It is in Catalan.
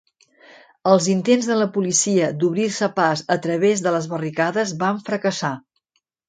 Els intents de la policia d'obrir-se pas a través de les barricades van fracassar.